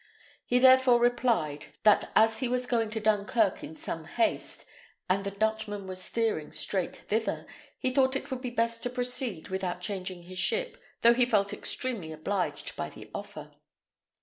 He therefore replied, that as he was going to Dunkirk in some haste, and the Dutchman was steering straight thither, he thought it would be best to proceed without changing his ship, though he felt extremely obliged by the offer.